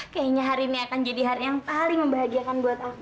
kayaknya hari ini akan jadi hari yang paling membahagiakan buat aku